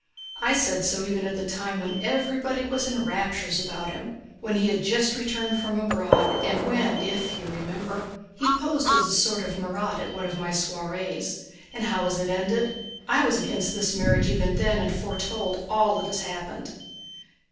I said so even at the time when everybody was in raptures about him, when he had just returned from abroad, and when, if you remember, he posed as a sort of Marat at one of my soirees. And how has it ended? I was against this marriage even then and foretold all that has happened."